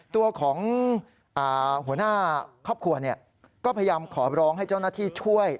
ตัวของหัวหน้าครอบครัวก็พยายามขอร้องให้เจ้าหน้าที่ช่วย